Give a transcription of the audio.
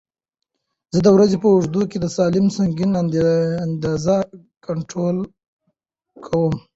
زه د ورځې په اوږدو کې د سالم سنکس اندازه کنټرول کوم.